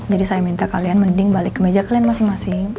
jadi saya minta kalian mending balik ke meja kalian masing masing